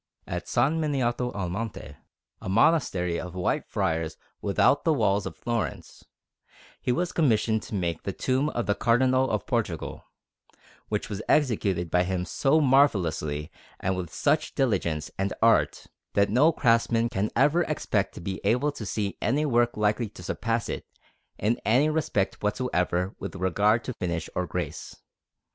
At S. Miniato al Monte, a monastery of White Friars without the walls of Florence, he was commissioned to make the tomb of the Cardinal of Portugal, which was executed by him so marvellously and with such great diligence and art, that no craftsman can ever expect to be able to see any work likely to surpass it in any respect whatsoever with regard to finish or grace.